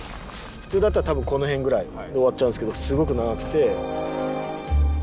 普通だったら多分この辺ぐらいで終わっちゃうんですけどすごく長くて。